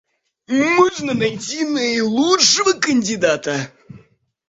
Можно найти наилучшего кандидата